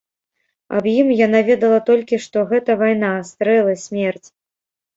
Аб ім яна ведала толькі, што гэта вайна, стрэлы, смерць.